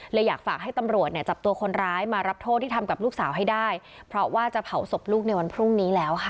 อยากฝากให้ตำรวจเนี่ยจับตัวคนร้ายมารับโทษที่ทำกับลูกสาวให้ได้เพราะว่าจะเผาศพลูกในวันพรุ่งนี้แล้วค่ะ